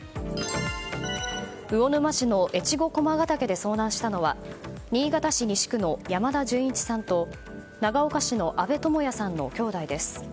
魚沼市の越後駒ヶ岳で遭難したのは新潟市西区の山田純一さんと長岡市の阿部智也さんの兄弟です。